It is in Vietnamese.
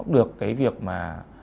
được cái việc mà